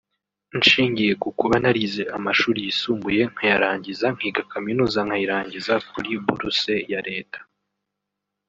nshingiye ku kuba narize amashuri yisumbuye nkayarangiza nkiga Kaminuza nkayirangiza kuri buruse ya Leta